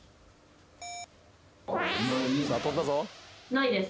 ないです。